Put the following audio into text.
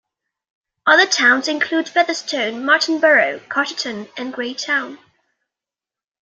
Other towns include Featherston, Martinborough, Carterton and Greytown.